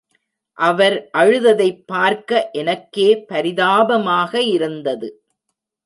அவர் அழுததைப் பார்க்க எனக்கே பரிதாபமாக இருந்தது.